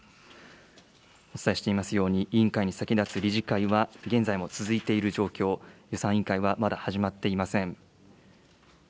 お伝えしていますように、委員会に先立つ理事会は現在も続いているという状況、予算委員会はまだ始まっていません。